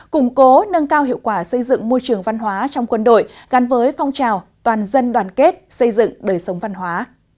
củng cố nâng cao hiệu quả xây dựng môi trường văn hóa trong quân đội gắn với phong trào toàn dân đoàn kết xây dựng đời sống văn hóa